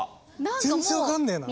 全然分かんねえな。